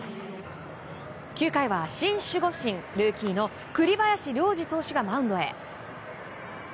９回は新守護神、ルーキーの栗林良吏投手がマウンドへ。